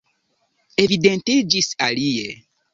Evidentiĝis alie.